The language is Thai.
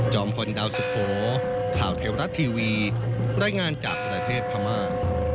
พลดาวสุโขข่าวเทวรัฐทีวีรายงานจากประเทศพม่า